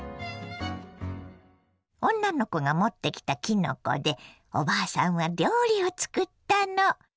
女の子が持ってきたきのこでおばあさんは料理を作ったの。